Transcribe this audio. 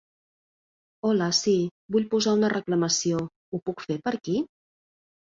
Hola, sí, vull posar una reclamació, ho puc fer per aquí?